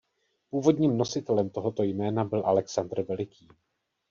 Původním nositelem tohoto jména byl Alexandr Veliký.